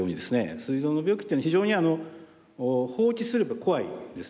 すい臓の病気というのは非常に放置すれば怖いですね。